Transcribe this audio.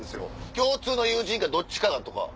共通の友人かどっちかがとか。